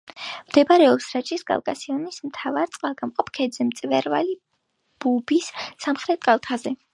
მდებარეობს რაჭის კავკასიონის მთავარ წყალგამყოფ ქედზე, მწვერვალ ბუბის სამხრეთ კალთაზე.